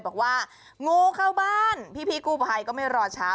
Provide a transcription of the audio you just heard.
พูดว่างูเข้าบ้านพี่พี่กู้ไพยก็ไม่รอช้า